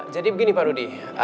jadi begini pak rudi